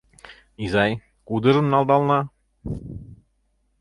Изай, кудыжым налдална?